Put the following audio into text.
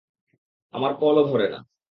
আমার কলও ধরে না।